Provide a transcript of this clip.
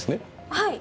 はい。